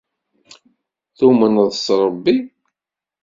Tumneḍ s Rebbi?